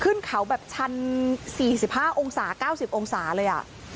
ขึ้นเขาแบบชันสี่สิบห้าองศาเก้าสิบองศาเลยอ่ะ